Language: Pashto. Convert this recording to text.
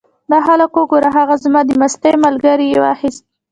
دا خلک وګوره! هغه زما د مستۍ ملګری یې واخیست.